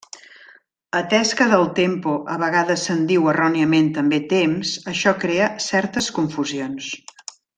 Atès que del tempo a vegades se'n diu, erròniament, també, 'temps', això crea certes confusions.